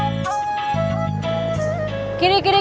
kita akan mencari penumpang yang lebih baik